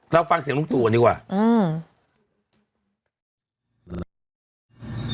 เราฟังเสียงลุงตู่กันดีกว่าอืม